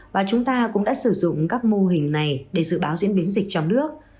và chúng ta cũng đã sử dụng các mô hình này để dự báo diễn biến dịch trong nước